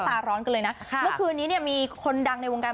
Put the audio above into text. แต่จริงเราชอบผู้หญิงเหมือนกัน